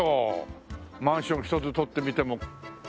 マンションひとつとってみても。